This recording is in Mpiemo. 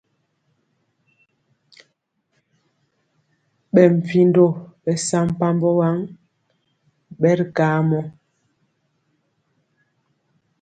Bɛ mpindo besampabó waŋ bɛri kamɔ.